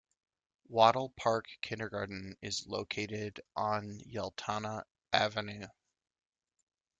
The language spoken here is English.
Wattle Park Kindergarten is located on Yeltana Avenue.